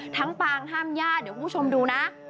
ปางห้ามญาติเดี๋ยวคุณผู้ชมดูนะ